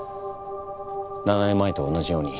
７年前と同じように。